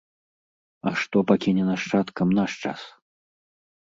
А што пакіне нашчадкам наш час?